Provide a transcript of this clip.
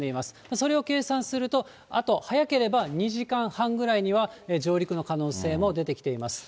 それを計算すると、あと早ければ２時間半ぐらいには上陸の可能性も出てきています。